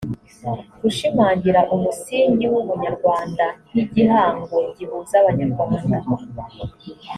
gushimangira umusingi w’ubunyarwanda nk’igihango gihuza abanyarwanda